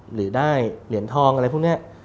หรือได้เหรียญทองอะไรพวกนี้